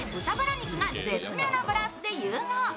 肉が絶妙なバランスで融合。